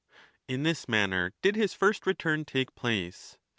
In this manner did his first return take place.